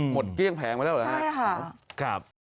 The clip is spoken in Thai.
หมดเกลี้ยงแพงไปแล้วเหรอครับครับใช่ค่ะ